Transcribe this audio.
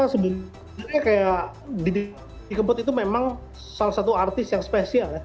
sebenarnya kayak didi kempot itu memang salah satu artis yang spesial ya